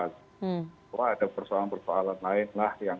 bahwa ada persoalan persoalan lain lah yang